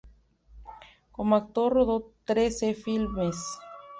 Como actor rodó trece filmes.